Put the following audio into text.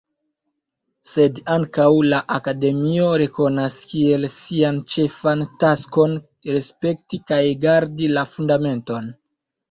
Sed ankaŭ la Akademio rekonas kiel sian ĉefan taskon respekti kaj gardi la Fundamenton.